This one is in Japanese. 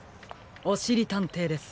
おしりたんていです。